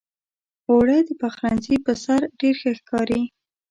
اوړه د پخلنځي پر سر ډېر ښه ښکاري